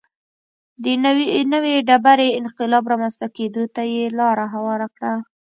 د نوې ډبرې انقلاب رامنځته کېدو ته یې لار هواره کړه.